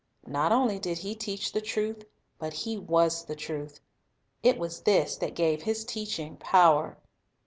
Not only did He teach the truth, but He was the truth. It was this that gave His teaching power.